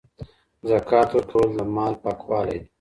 زکات ورکول د مال پاکوالی دی.